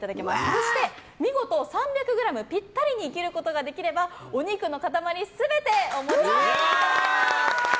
そして、見事３００ｇピッタリに切ることができればお肉の塊全てお持ち帰りいただきます。